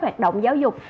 hoạt động giáo dục